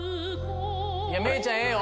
メイちゃんええよ。